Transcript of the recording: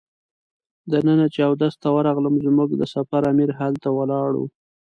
دننه چې اودس ته ورغلم زموږ د سفر امیر هلته ولاړ و.